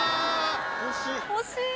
惜しい。